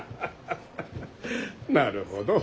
なるほど。